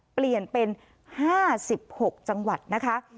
เปลี่ยนเป็น๕๖จังหวัดนะคะ